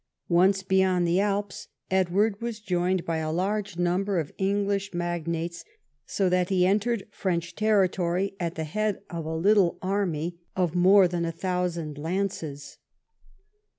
Once beyond the Alps, Edward was joined by a large number of English magnates, so that he entered French territory at the head of a little army of CHAP. V EDWARD'S CONTINENTAL POLICY 87 more than a thousand lances.